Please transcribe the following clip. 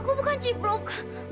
aku bukan cipluk